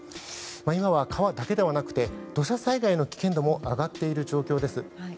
今は川だけではなくて土砂災害の危険度も上がっている状況です。